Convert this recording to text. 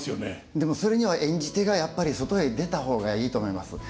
でもそれには演じ手がやっぱり外へ出た方がいいと思います。